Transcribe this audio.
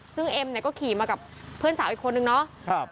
ซึ่งเอ็มเนี่ยก็ขี่มากับเพื่อนสาวอีกคนนึงเนาะ